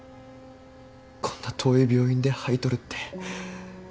こんな遠い病院で肺取るって。